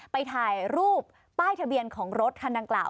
ไปถ่ายรูปป้ายทะเบียนของรถคันดังกล่าว